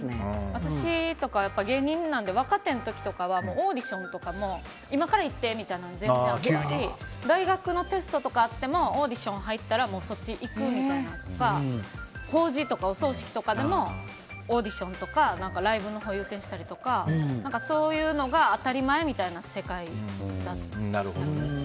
私とか芸人なんで若手の時とかはオーディションとかも今から行ってみたいなのも全然あったし大学のテストとかあってもオーディション入ったらそっち行くみたいなのとか法事とかお葬式とかでもオーディションとかライブのほうを優先したりとかそういうのが当たり前みたいな世界でした。